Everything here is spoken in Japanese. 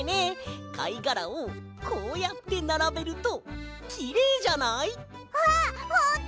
かいがらをこうやってならべるときれいじゃない？あっほんとだ！